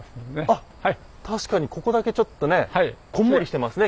あっ確かにここだけちょっとねこんもりしてますね